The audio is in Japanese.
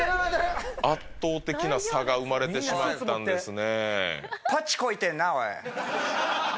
圧倒的な差が生まれてしまったんですね。